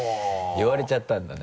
言われちゃったんだね。